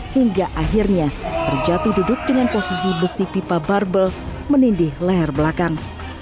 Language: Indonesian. hingga akhirnya terjatuh duduk dengan posisi besi pipa barbel menindih leher belakang